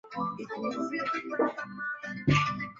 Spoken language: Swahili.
antena haihitajiki katika urushaji wa matangazo ya televisheni